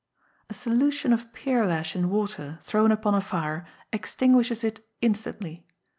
A Solution of Pearlash in Water, thrown upon a fire, extinguishes it instantly.